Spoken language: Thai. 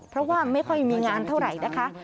เพราะว่าไม่ค่อยมีงานเท่าไหร่นะคะ